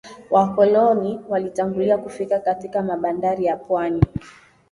Wakoloni walitangulia kufika katika mabandari ya pwani